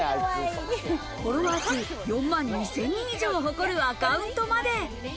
フォロワー数、４万２０００人以上を誇るアカウントまで。